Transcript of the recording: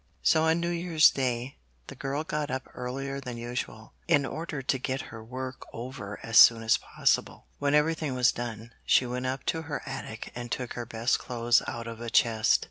So on New Year's Day, the girl got up earlier than usual, in order to get her work over as soon as possible. When everything was done, she went up to her attic and took her best clothes out of a chest.